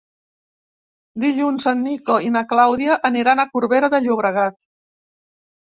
Dilluns en Nico i na Clàudia aniran a Corbera de Llobregat.